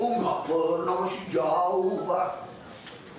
oh gak pernah jauh pak